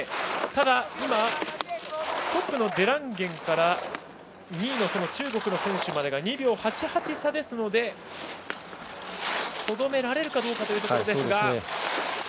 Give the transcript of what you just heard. ただ、トップのデランゲンから２位の中国の選手までが２秒８８差ですのでとどめられるかどうか。